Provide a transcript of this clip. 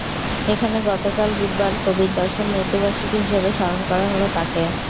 এখানে গতকাল বুধবার কবির দশম মৃত্যুবার্ষিকী হিসেবে স্মরণ করা হলো তাঁকে।